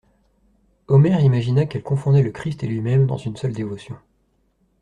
Omer imagina qu'elle confondait le Christ et lui-même dans une seule dévotion.